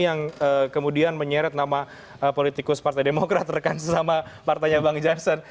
yang kemudian menyeret nama politikus partai demokrat rekan sesama partainya bang jansen